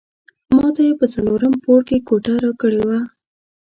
ماته یې په څلورم پوړ کې کوټه راکړې وه.